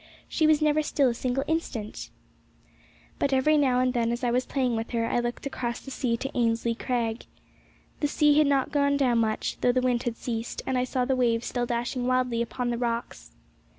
She was never still a single instant! [Illustration: AFTER THE STORM.] But every now and then, as I was playing with her, I looked across the sea to Ainslie Crag. The sea had not gone down much, though the wind had ceased, and I saw the waves still dashing wildly upon the rocks.